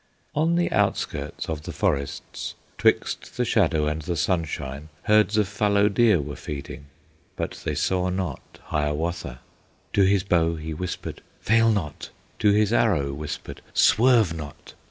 On the outskirts of the forests, 'Twixt the shadow and the sunshine, Herds of fallow deer were feeding, But they saw not Hiawatha; To his bow he whispered, "Fail not!" To his arrow whispered, "Swerve not!"